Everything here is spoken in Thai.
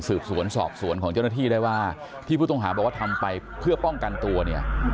สืบสวนสอบสวนของเจ้าหน้าที่ได้ว่าที่ผู้ต้องหาบอกว่าทำไปเพื่อป้องกันตัวเนี่ย